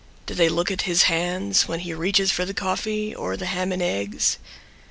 Do they look at his Hands when he reaches for the coffee Or the ham and eggs?